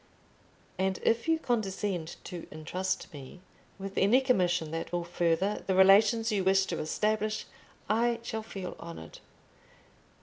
And if you condescend to intrust me with any commission that will further the relations you wish to establish, I shall feel honoured.